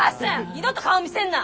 二度と顔見せんな！